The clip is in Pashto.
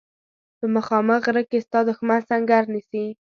په مخامخ غره کې ستا دښمن سنګر نیسي.